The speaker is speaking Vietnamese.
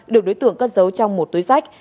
được đối tượng cất giấu trong một túi sách